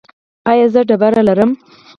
ایا زه تیږه لرم؟